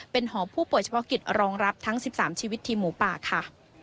เป็นหอผู้ป่วยเฉพาะกิจรองรับทั้ง๑๓ชีวิตทีมหมูป่าค่ะ